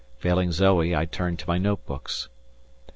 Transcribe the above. Failing Zoe I turn to my notebooks.